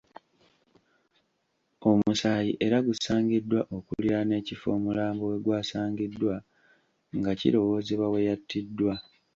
Omusaayi era gusaangiddwa okuliraana ekifo omulambo we gwasangiddwa nga kirowoozebwa we yattiddwa.